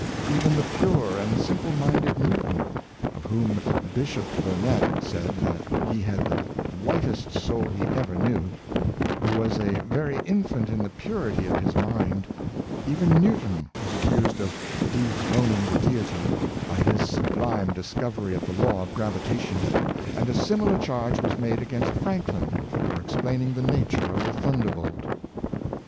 Even the pure and simple minded Newton, of whom Bishop Burnet said that he had the whitest soul he ever knew — who was a very infant in the purity of his mind — even Newton was accused of " dethroning the Diety " by his sublime dis covery of the law of gravitation; and a similar charge was made against Franklin for explaining the nature of the thunderbolt.